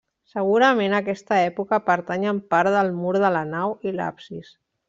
Segurament a aquesta època pertanyen part del mur de la nau i l'absis.